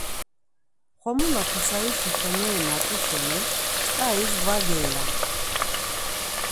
Xomula pitsarişi xeneri na t̆u şeni tzǩaris var geilamt̆u.